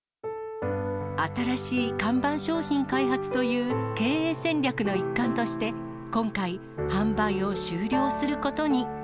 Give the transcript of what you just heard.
新しい看板商品開発という経営戦略の一環として、今回、販売を終了することに。